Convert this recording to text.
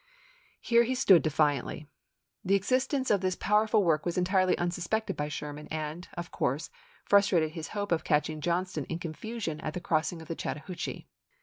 Here he stood defiantly. The existence of this powerful work was entirely unsuspected by Sherman and, of course, frustrated his hope of catching Johnston in confusion at the crossing of the Chattahoochee.